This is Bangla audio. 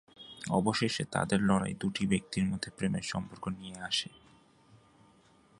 অবশেষে তাদের লড়াই দুটি ব্যক্তির মধ্যে প্রেমের সম্পর্ক নিয়ে আসে।